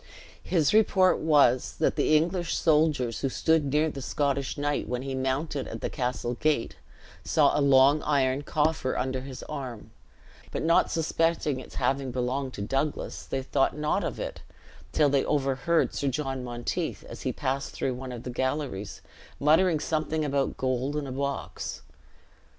His report was, that the English soldiers who stood near the Scottish knight when he mounted at the castle gate, saw a long iron coffer under his arm, but not suspecting its having belonged to Douglas, they thought not of it, till they overheard Sir John Monteith, as he passed through one of the galleries, muttering something about gold and a box.